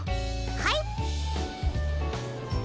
はい。